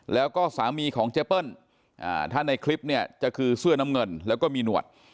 แล้วก็สามีของเจเปิ้ลถ้าในคลิปเนี่ยจะคือเสื้อน้ำเงินแล้วก็มีหนวด